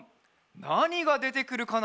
なにがでてくるかな？